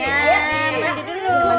ya mandi dulu